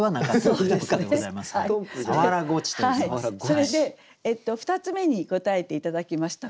それで２つ目に答えて頂きました。